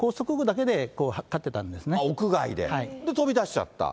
で、飛び出しちゃった。